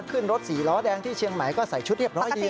ขึ้นรถสี่ล้อแดงที่เชียงใหม่ก็ใส่ชุดเรียบร้อยดี